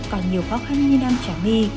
còn nhiều khó khăn như nam trà my